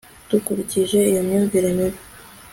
dukurikije iyo myumvire mibi